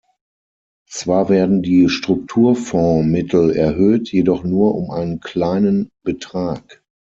Zwar werden die Strukturfondsmittel erhöht, jedoch nur um einen kleinen Betrag.